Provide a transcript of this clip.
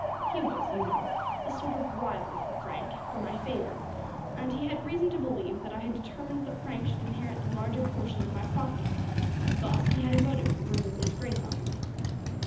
He was, you know, a sort of rival of Frank for my favour, and he had reason to believe that I had determined that Frank should inherit the larger portion of my property; thus he had a motive for bringing disgrace on him.